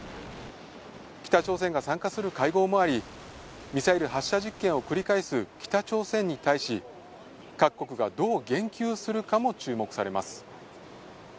北朝鮮が参加する会合もあり、ミサイル発射実験を繰り返す北朝鮮に対し、各国がどう言及するかも注目されます。